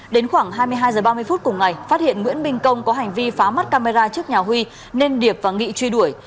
đến khoảng hai mươi hai h ba mươi phút cùng ngày phát hiện nguyễn minh công có hành vi phá mắt camera trước nhà huy nên điệp và nghị truy đuổi